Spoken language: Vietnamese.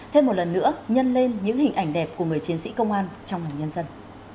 thêm một lần nữa nhân lên những hình ảnh đẹp của người chiến sĩ công an trong lòng nhân dân